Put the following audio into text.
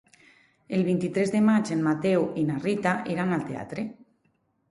El vint-i-tres de maig en Mateu i na Rita iran al teatre.